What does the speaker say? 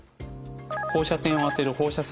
放射線を当てる放射線療法。